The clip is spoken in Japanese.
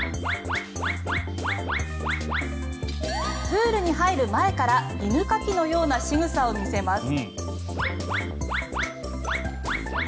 プールに入る前から犬かきのようなしぐさを見せます。